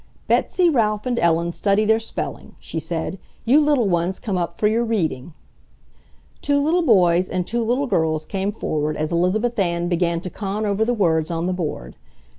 "Betsy, Ralph, and Ellen study their spelling," she said. "You little ones come up for your reading." Two little boys and two little girls came forward as Elizabeth Ann began to con over the words on the board.